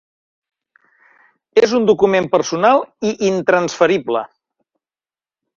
És un document personal i intransferible.